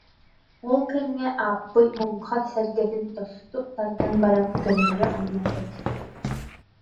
Ол кэмҥэ Ааппый муҥха сэргэтин тосту тардан баран көннөрү анньан кэбиспит